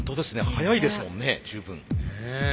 速いですもんね十分。